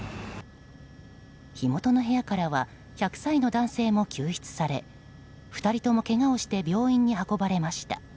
火元の部屋からは１００歳の男性も救出され２人ともけがをして病院に運ばれました。